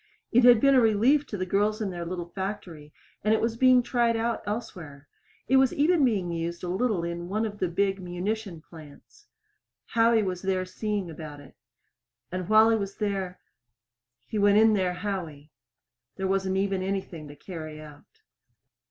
It had been a relief to the girls in their little factory, and it was being tried out elsewhere. It was even being used a little in one of the big munition plants. Howie was there seeing about it. And while he was there He went in there Howie. There wasn't even anything to carry out.